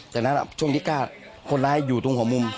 จากนั้นช่วงที่กล้าคนร้ายอยู่ตรงหัวมุม